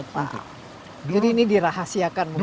jadi ini dirahasiakan dulu